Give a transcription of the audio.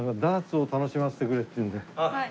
ダーツを楽しませてくれるっていうんで。